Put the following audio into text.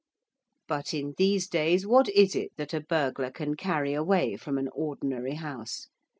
But in these days what is it that a burglar can carry away from an ordinary house?